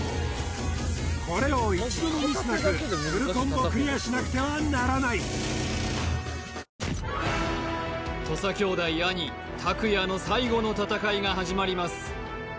これを一度もミスなくフルコンボクリアしなくてはならない土佐兄弟兄・卓也の最後の戦いが始まります